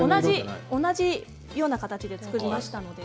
同じような形で作りました。